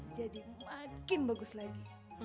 jadi makin bagus lagi